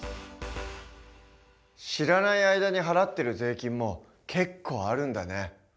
知らない間に払ってる税金も結構あるんだね。